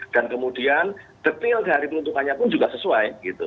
dan kemudian detail dari peruntukannya pun juga sesuai